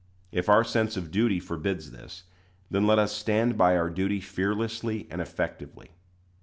If our sense of duty forbids this, then let us stand by our duty fearlessly and effectively.